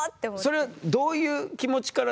それはどういう気持ちからですか？